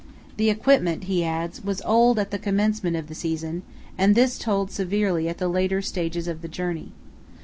"The equipment," he adds, "was old at the commencement of the season, and this told severely at the later stages of the journey.